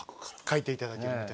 書いていただけるみたいで。